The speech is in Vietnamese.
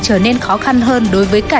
trở nên khó khăn hơn đối với cả